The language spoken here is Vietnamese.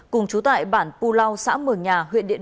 cùng chú tại bản pu lau xã mường nhà